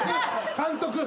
監督。